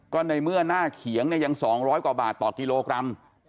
ก็ในเมื่อหน้าเขียงเนี่ยยัง๒๐๐กว่าบาทต่อกิโลกรัม